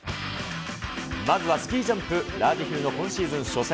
まずはスキージャンプラージヒルの今シーズン初戦。